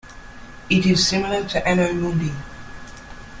It is similar to "Anno Mundi".